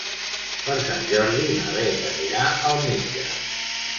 Per Sant Jordi na Beth anirà al metge.